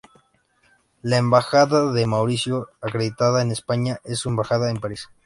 La Embajada de Mauricio acreditada en España es su Embajada en París.